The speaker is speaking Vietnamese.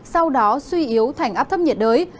sau đó suy yếu thành áp thấp nhiệt đới